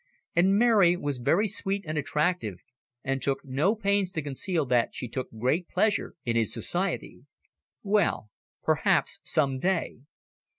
And Mary was very sweet and attractive, and took no pains to conceal that she took great pleasure in his society. Well perhaps some day!